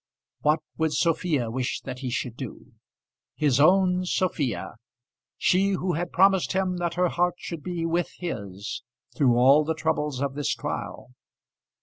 What would Sophia wish that he should do? his own Sophia, she who had promised him that her heart should be with his through all the troubles of this trial?